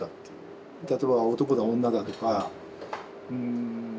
例えば男だ女だとかうん。